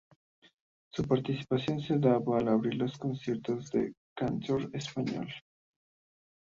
Su participación se daba al abrir los conciertos del cantautor español.